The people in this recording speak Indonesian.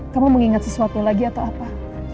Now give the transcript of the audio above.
kamu mengingat sesuatu lagi atau apa